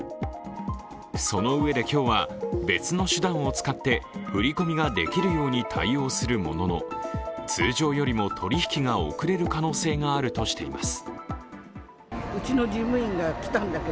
そのうえで今日は別の手段を使って振り込みができるように対応するものの通常よりも取り引きが遅れる可能性があるとしています。